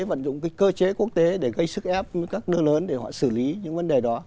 vận dụng cái cơ chế quốc tế để gây sức ép các nước lớn để họ xử lý những vấn đề đó